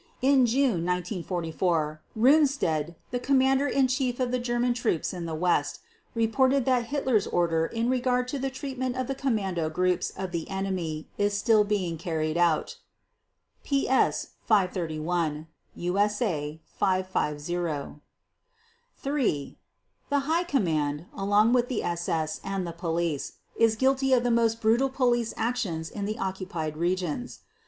In June 1944 Rundstedt, the Commander in Chief of the German troops in the West, reported that Hitler's order in regard to "the treatment of the 'commando' groups of the enemy is still being carried out" (PS 531, USA 550). 3. _The High Command, along with the SS and the Police, is guilty of the most brutal police actions in the occupied regions.